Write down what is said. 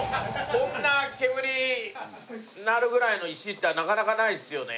こんな煙なるぐらいの石ってなかなかないですよね。